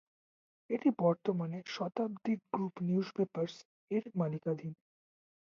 এটি বর্তমানে "শতাব্দী group newspapers" এর মালিকানাধীন।